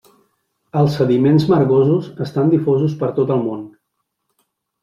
Els sediments margosos estan difosos per tot el món.